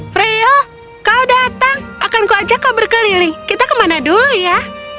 freyo kau datang akanku ajak kau berkeliling kita kemana dulu ya